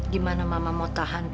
gimana mama mau tahan